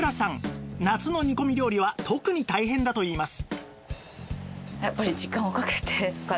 夏の煮込み料理は特に大変だと言います